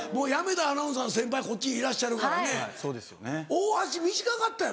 大橋短かったよな。